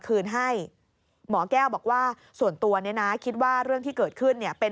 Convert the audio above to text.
คืนให้หมอแก้วบอกว่าส่วนตัวเนี่ยนะคิดว่าเรื่องที่เกิดขึ้นเนี่ยเป็น